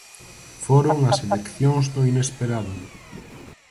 Foron as eleccións do inesperado.